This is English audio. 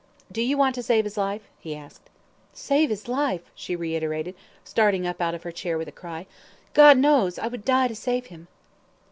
"Do you want to save his life?" he asked. "Save his life," she reiterated, starting up out of her chair with a cry. "God knows, I would die to save him."